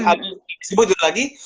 abis subuh tidur lagi